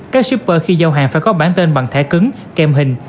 các shipper khi giao hàng phải có bản tên bằng thẻ cứng kèm hình